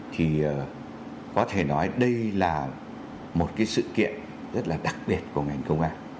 thì có thể nói đây là một cái sự kiện rất là đặc biệt của ngành công an